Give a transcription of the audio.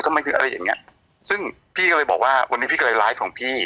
ทำไมคืออะไรอย่างเงี้ยซึ่งพี่ก็เลยบอกว่าวันนี้พี่ก็เลยไลฟ์ของพี่